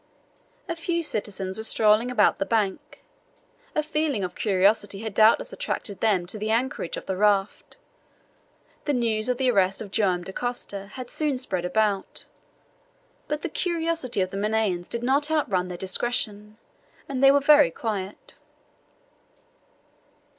A few citizens were strolling about the bank. A feeling of curiosity had doubtless attracted them to the anchorage of the raft. The news of the arrest of Joam Dacosta had soon spread about, but the curiosity of the Manaens did not outrun their discretion, and they were very quiet.